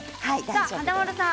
華丸さん。